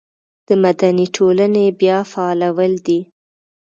د مدني ټولنې بیا فعالول دي.